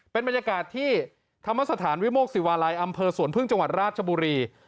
เป็นบรรยากาศที่ธรรมสถานวิโมกศิวาลัยอำเภอสวนพึ่งจังหวัดราชบุรี